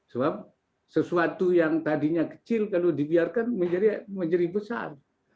sebab sesuatu yang tadinya kecil kalau dibiarkan menjadi besar